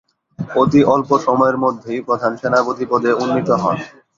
অতি অল্প সময়ের মধ্যেই প্রধান সেনাপতি পদে উন্নীত হন।